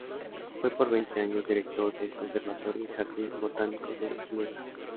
Fue por veinte años Director del Conservatorio y Jardín botánico de Ginebra.